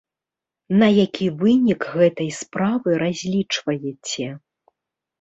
На які вынік гэтай справы разлічваеце?